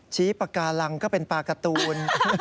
ปากการังก็เป็นปลาการ์ตูน